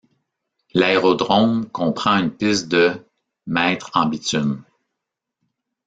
L'aérodrome comprend une piste de mètres en bitume.